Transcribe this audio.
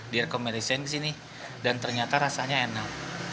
direkomendasikan disini dan ternyata rasanya enak